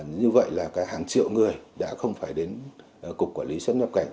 như vậy là hàng triệu người đã không phải đến cục quản lý xuất nhập cảnh